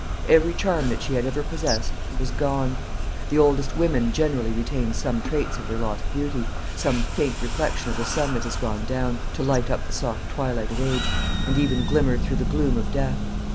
Every charm that she had ever possessed was gone. The oldest women generally retain some traits of their lost beauty, some faint reflection of the sun that has gone down, to light up the soft twilight of age, and even glimmer through the gloom of death.